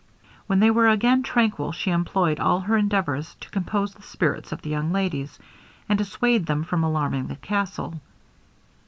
When they were again tranquil, she employed all her endeavours to compose the spirits of the young ladies, and dissuade them from alarming the castle.